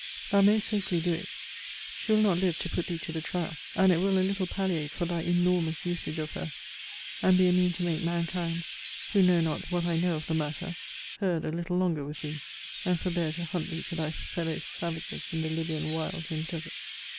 Thou mayest safely do it. She will not live to put thee to the trial; and it will a little palliate for thy enormous usage of her, and be a mean to make mankind, who know not what I know of the matter, herd a little longer with thee, and forbear to hunt thee to thy fellow savages in the Lybian wilds and desarts.